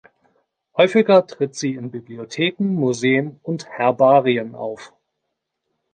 Häufiger tritt sie in Bibliotheken, Museen und Herbarien auf.